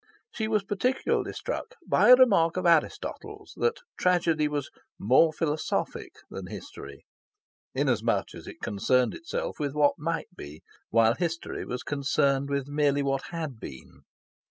She was particularly struck by a remark of Aristotle's, that tragedy was "more philosophic" than history, inasmuch as it concerned itself with what might be, while history was concerned with merely what had been.